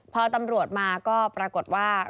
พอตำรวจมาก็ปรากฏว่า